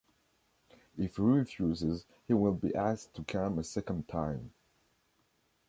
If he refuses, he will be asked to come a second time.